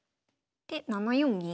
で７四銀。